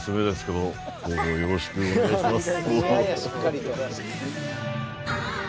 よろしくお願いします。